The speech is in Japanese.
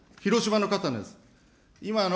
広島の方です。